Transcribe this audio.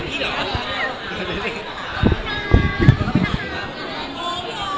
ขอบคุณค่ะ